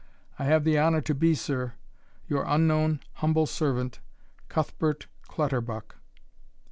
I have the honour to be, Sir, Your unknown humble Servant, Cuthbert Clutterbuck.